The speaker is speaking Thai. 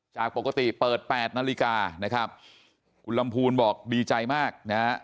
จากปกติเปิดแปดนาฬิกานะครับคุณลำพูนบอกดีใจมากนะฮะ